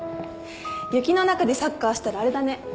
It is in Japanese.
雪の中でサッカーしたらあれだね。